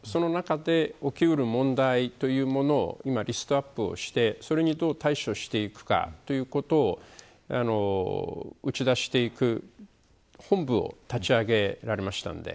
その中で起きうる問題というものを今、リストアップしてそれにどう対処していくかということを打ち出していく本部を立ち上げられました。